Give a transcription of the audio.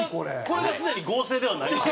これがすでに合成ではないの？